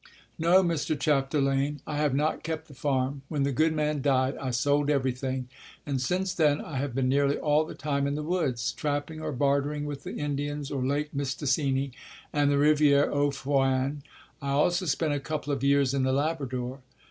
"No, Mr. Chapdelaine, I have not kept the farm. When the good man died I sold everything, and since then I have been nearly all the time in the woods, trapping or bartering with the Indians of Lake Mistassini and the Riviere aux Foins. I also spent a couple of years in the Labrador."